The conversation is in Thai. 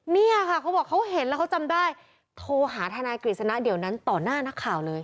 เนี่ยค่ะเขาบอกเขาเห็นแล้วเขาจำได้โทรหาทนายกฤษณะเดี๋ยวนั้นต่อหน้านักข่าวเลย